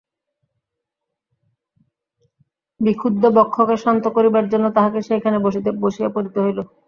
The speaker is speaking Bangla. বিক্ষুব্ধ বক্ষকে শান্ত করিবার জন্য তাহাকে সেইখানে বসিয়া পড়িতে হইল।